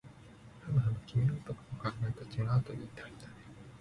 ふむふむ、君は僕の考えが違うといいたいんだね